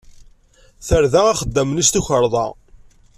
Terda axeddam-nni s tukerḍa.